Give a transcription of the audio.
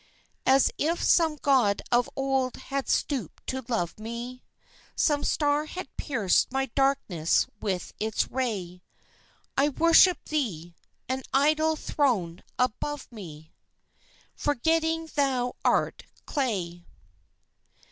As if some god of old had stooped to love me Some star had pierced my darkness with its ray I worship thee an idol throned above me Forgetting thou art clay.